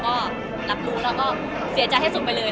ประมาณกลุ่บเดือน